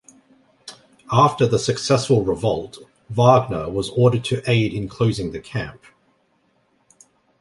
After the successful revolt, Wagner was ordered to aid in closing the camp.